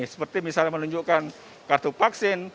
seperti misalnya menunjukkan kartu vaksin